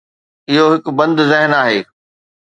اهو هڪ بند ذهن آهي.